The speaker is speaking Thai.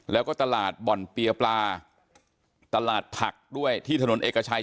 แล้วก็ตลาดบ่อนเปียปลาตลาดผักด้วยที่ถนนเอกชัย